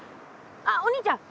あっお兄ちゃん